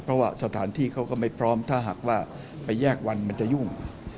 เพราะว่าสถานที่เขาก็ไม่พร้อมถ้าหากว่าไปแยกวันมันจะยุ่ง